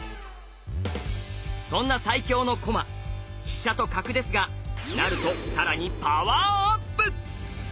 そんな最強の駒飛車と角ですが成ると更にパワーアップ！